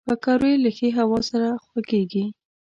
پکورې له ښې هوا سره خوږېږي